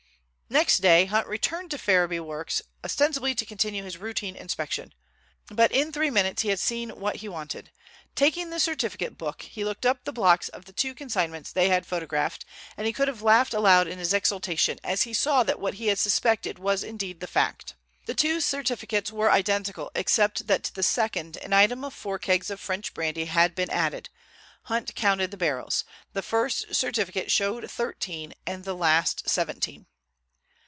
Next day Hunt returned to Ferriby works ostensibly to continue his routine inspection. But in three minutes he had seen what he wanted. Taking the certificate book, he looked up the blocks of the two consignments they had photographed, and he could have laughed aloud in his exultation as he saw that what he had suspected was indeed the fact. The two certificates were identical except that to the second an item of four kegs of French brandy had been added! Hunt counted the barrels. The first certificate showed thirteen and the last seventeen.